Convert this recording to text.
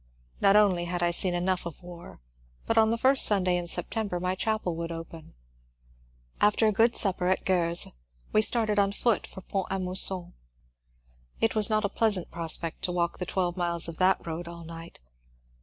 Not only had I seen enough of war, but on the first Sunday in September my chapel would open. After a good supper at Gorze we started on foot for Font a Mousson. It was not a pleasant prospect to walk the twelve miles of that road all night.